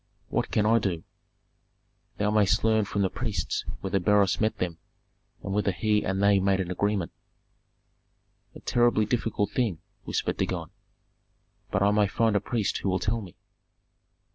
"What can I do?" "Thou mayst learn from the priests whether Beroes met them, and whether he and they made an agreement." "A terribly difficult thing," whispered Dagon. "But I may find a priest who will tell me."